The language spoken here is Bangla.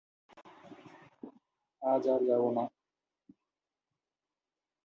নক-আউট কাপ প্রতিযোগিতা এবং প্লে অফে দুই লেগ সমতা ব্যবহার করা যেতে পারে।